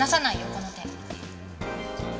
この手。